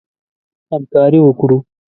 همکاري وکړو.